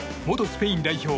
スペイン代表